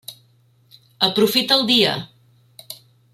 Aprofita el dia!